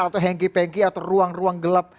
atau hengkih hengkih atau ruang ruang gelap